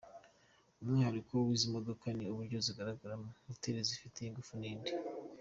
Umwihariko w’izi modoka ni uburyo zigaragaramo, ’moteur’ zifite ingufu n’indi.